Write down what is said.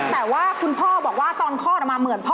แต่ว่าคุณพ่อบอกว่าตอนข้อมันเหมือนพ่อเป๊ะ